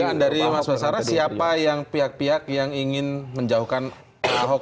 dugaan dari mas basarah siapa yang pihak pihak yang ingin menjauhkan pak ahok